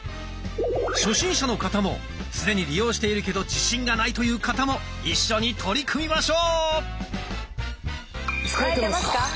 初心者の方も既に利用しているけど自信がないという方も一緒に取り組みましょう！